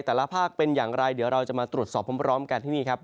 ภาคเป็นอย่างไรเดี๋ยวเราจะมาตรวจสอบพร้อมกันที่นี่ครับ